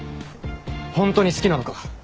ホントに好きなのか？